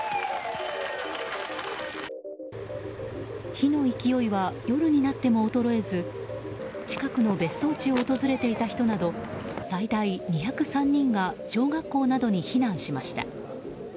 火の勢いは夜になっても衰えず近くの別荘地を訪れていた人など最大２０３人が小学校などに避難しました。